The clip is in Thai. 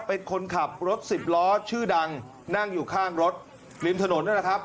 เป็นคนขับรถสิบล้อชื่อดังนั่งอยู่ข้างรถริมถนนนั่นแหละครับ